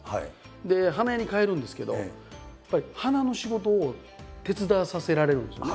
で花屋に帰るんですけどやっぱり花の仕事を手伝わさせられるんですよね。